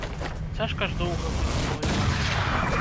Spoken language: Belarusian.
Цяжка ж доўга быць белай варонай.